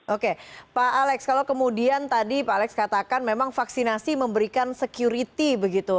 oke pak alex kalau kemudian tadi pak alex katakan memang vaksinasi memberikan security begitu